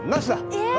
えっ！